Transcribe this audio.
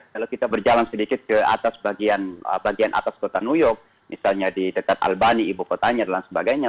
kalau kita berjalan sedikit ke atas bagian atas kota new york misalnya di dekat albani ibu kotanya dan sebagainya